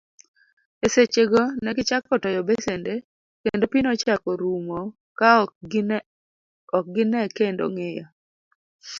E sechego, negichako toyo besende kendo pii nochako rumo kaok gine kendo ng'iyo.